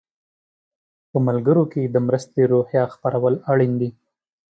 په ملګرو کې د مرستې روحیه خپرول اړین دي.